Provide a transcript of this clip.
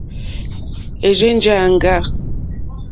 È rzênjāŋɡâ.